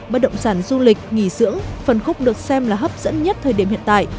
bất động sản du lịch nghỉ dưỡng phần khúc được xem là hấp dẫn nhất thời điểm hiện tại